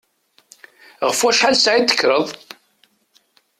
Ɣef wacḥal ssaɛa i d-tekkreḍ?